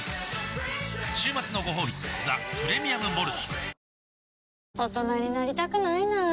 週末のごほうび「ザ・プレミアム・モルツ」おおーーッ